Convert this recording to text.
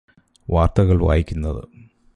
വാർത്തകൾ വായിക്കുന്നത്